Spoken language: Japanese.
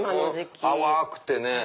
淡くてね。